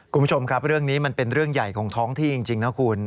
คุณผู้ชมครับเรื่องนี้มันเป็นเรื่องใหญ่ของท้องที่จริงนะคุณ